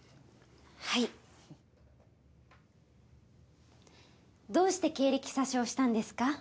はいどうして経歴詐称したんですか？